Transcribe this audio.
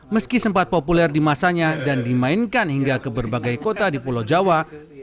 meski sempat populer di masanya dan dimainkan hingga ke berbagai kota di pulau jawa